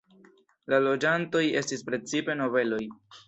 La loĝantoj estis precipe nobeloj.